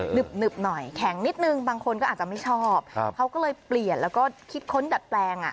หึบหน่อยแข็งนิดนึงบางคนก็อาจจะไม่ชอบเขาก็เลยเปลี่ยนแล้วก็คิดค้นดัดแปลงอ่ะ